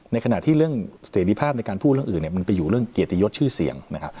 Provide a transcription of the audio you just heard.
ในขณะที่เรื่องเสร็จภาพในการพูดเรื่องอื่นมันไปอยู่เรื่องเกียรติยศชื่อเสียงนะครับ